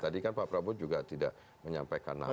tadi kan pak prabowo juga tidak menyampaikan nama